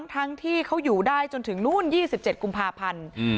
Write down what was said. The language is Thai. ทั้งที่เขาอยู่ได้จนถึงนู่น๒๗กุมภาพันธ์